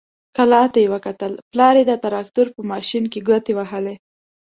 کلا ته يې وکتل، پلار يې د تراکتور په ماشين کې ګوتې وهلې.